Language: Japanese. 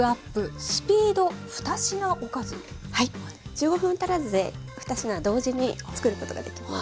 はい１５分足らずで２品同時に作ることができます。